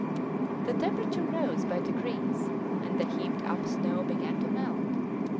The temperature rose by degrees, and the heaped up snow began to melt.